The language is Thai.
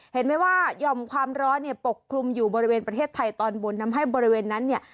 เห็นไหมว่าหย่อมความร้อนเนี่ยปกคลุมอยู่บริเวณประเทศไทยตอนบนทำให้บริเวณนั้นเนี่ย